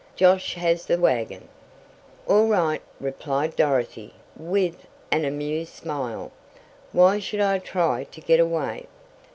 Josh has the wagon." "All right," replied Dorothy with an amused smile. "Why should I try to get away?"